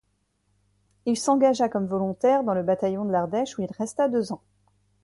Il s'engagea comme volontaire dans le bataillon de l'Ardèche où il resta deux ans.